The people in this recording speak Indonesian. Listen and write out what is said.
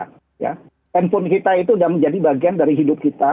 handphone kita itu sudah menjadi bagian dari hidup kita